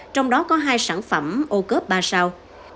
trong đó có hai sản phẩm ô cớp ba sao